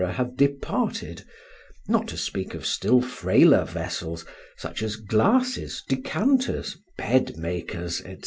have departed (not to speak of still frailer vessels, such as glasses, decanters, bed makers, &c.)